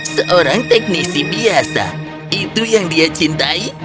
seorang teknisi biasa itu yang dia cintai